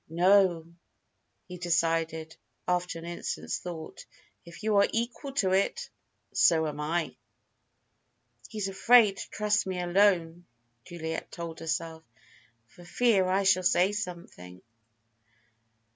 "No," he decided, after an instant's thought. "If you are equal to it, so am I." "He's afraid to trust me alone," Juliet told herself, "for fear I shall say something."